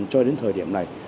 cho đến thời điểm này